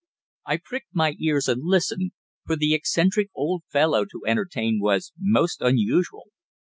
I pricked my ears and listened for the eccentric old fellow to entertain was most unusual.